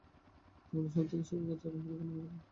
জীবনের সবথেকে সুখকর চরমপুলক অনুভব করলাম।